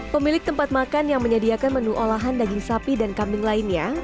pemilik tempat makan yang menyediakan menu olahan daging sapi dan kambing lainnya